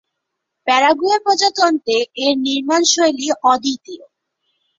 Paraguay প্রজাতন্ত্রে এর নির্মাণশৈলী অদ্বিতীয়।